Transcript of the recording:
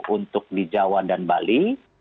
untuk di jawa dan bali